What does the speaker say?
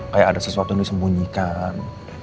kayak ada sesuatu yang disembunyikan